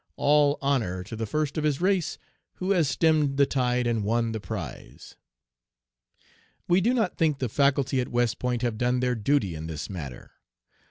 All honor to the first of his race who has stemmed the tide and won the prize. "We do not think the faculty at West Point have done their duty in this matter.